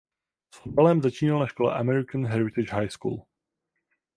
S fotbalem začínal na škole American Heritage High School.